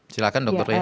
silahkan dokter lia